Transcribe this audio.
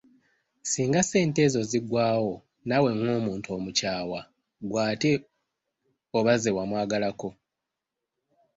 Singa ssente ezo ziggwaawo naawe ng'omuntu omukyawa gw'ate oba ze waba wamwagalako!